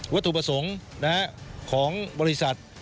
วัตถุประสงค์นะครับของบริษัท